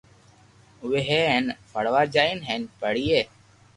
آوي ھي ھين پڙوا جائين ھين پڙئي